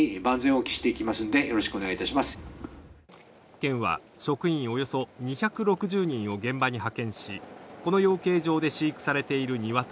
県は職員およそ２６０人を現場に派遣し、この養鶏場で飼育されている鶏